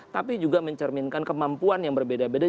tapi juga mencerminkan kemampuan yang berbeda beda